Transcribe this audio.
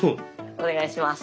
お願いします。